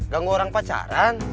ganggu orang pacaran